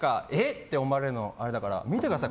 って思われるのあれだから見てください